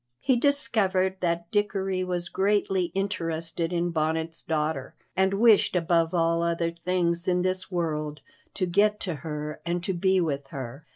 He discovered that Dickory was greatly interested in Bonnet's daughter, and wished above all other things in this world to get to her and to be with her.